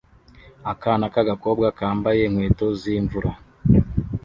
Akana k'agakobwa kambaye inkweto z'imvura